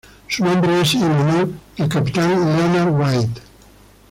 Su nombre es en honor del capitán Leonard White.